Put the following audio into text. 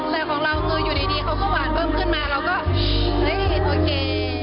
แต่ของเราคืออยู่ดีเขาก็หวานเพิ่มขึ้นมาเราก็เฮ้ยตัวเก๋